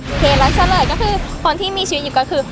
เคแล้วเฉลยก็คือคนที่มีชีวิตอยู่ก็คือ